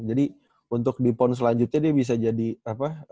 jadi untuk di pon selanjutnya dia bisa jadi apa